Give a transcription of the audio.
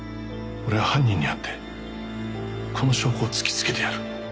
「俺は犯人に会ってこの証拠を突きつけてやる」